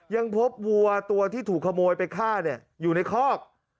ยังพบวัวตัวที่ถูกขโมยไปฆ่าอยู่ในคอก